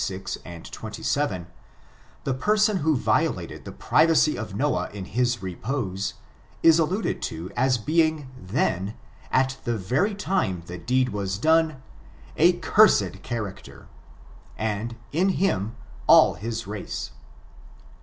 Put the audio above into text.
ix, 25, 26, 27, the person who violated the privacy of Noah in his repose, is alluded to as being theuy at the very time the deed was done, a cursed character, and, in him, all his race.